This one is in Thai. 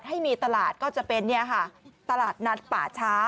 ให้มีตลาดก็จะเป็นตลาดนัดป่าช้า